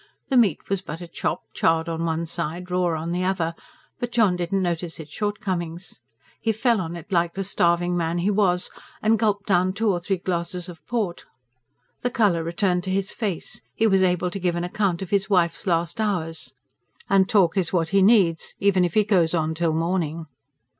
The meat was but a chop, charred on one side, raw on the other; but John did not notice its shortcomings. He fell on it like the starving man he was, and gulped down two or three glasses of port. The colour returned to his face, he was able to give an account of his wife's last hours. "And to talk is what he needs, even if he goes on till morning."